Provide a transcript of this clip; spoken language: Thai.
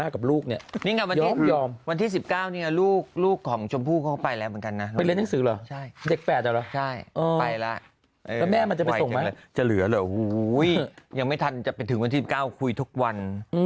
คนไหนจะเหลือหรออุ้วหะวิยังไม่ทันจะเป็นถึงวันที่เก้าคุยทุกวัน